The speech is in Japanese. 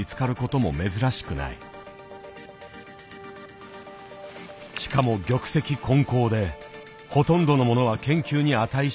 しかも玉石混交でほとんどのものは研究に値しないという。